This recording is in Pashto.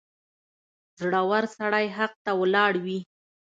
• زړور سړی حق ته ولاړ وي.